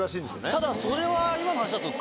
ただそれは今の話だと。